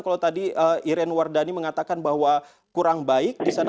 kalau tadi irian wardani mengatakan bahwa kurang baik di sana